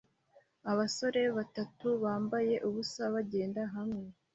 Abasore batatu bambaye ubusa bagenda hamwe